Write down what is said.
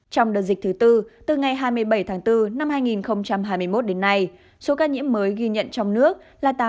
trong đợt dịch thứ tư từ ngày hai mươi bảy tháng bốn năm hai nghìn hai mươi một đến nay số ca nhiễm mới ghi nhận trong nước là tám trăm năm mươi sáu một trăm chín mươi bảy ca